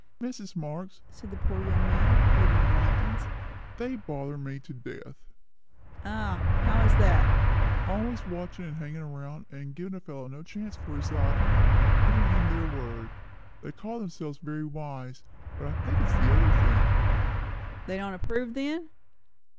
"Mrs. Marx," said the poor young man, leaving the lichens, "they bother me to death!" "Ah? How is that?" "Always watching, and hanging around, and giving a fellow no chance for his life, and putting in their word. They call themselves very wise, but I think it is the other thing." "They don't approve, then?"